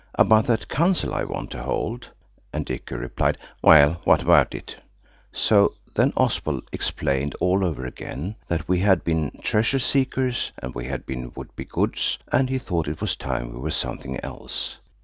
About that council I want to hold." And Dicky replied: "Well, what about it?" So then Oswald explained all over again that we had been Treasure Seekers, and we had been Would be Goods, and he thought it was time we were something else.